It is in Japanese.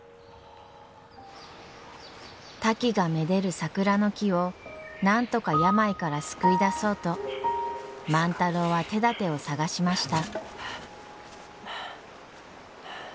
タキがめでる桜の木をなんとか病から救い出そうと万太郎は手だてを探しました。